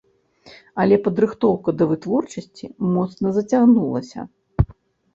Але падрыхтоўка да вытворчасці моцна зацягнулася.